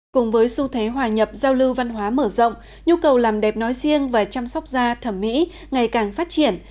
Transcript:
cùng với xu thế hòa nhập giao lưu văn hóa mở rộng nhu cầu làm đẹp nói riêng và chăm sóc da thẩm mỹ ngày càng phát triển